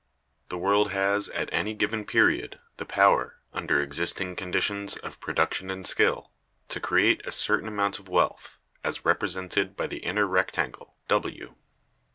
The world has at any given period the power, under existing conditions of production and skill, to create a certain amount of wealth, as represented by the inner rectangle, W.